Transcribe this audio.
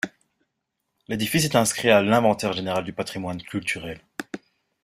L'édifice est inscrit à l'inventaire général du patrimoine culturel.